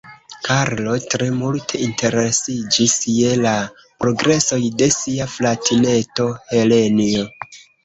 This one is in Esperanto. Karlo tre multe interesiĝis je la progresoj de sia fratineto Helenjo.